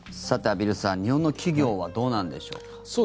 畔蒜さん、日本の企業はどうなんでしょうか。